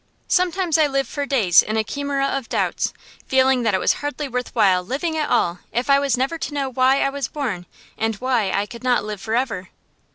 Sometimes I lived for days in a chimera of doubts, feeling that it was hardly worth while living at all if I was never to know why I was born and why I could not live forever.